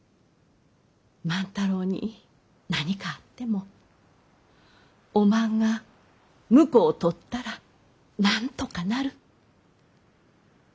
万太郎に何かあってもおまんが婿を取ったらなんとかなる。